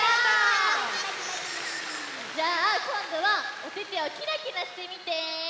じゃあこんどはおててをキラキラしてみて。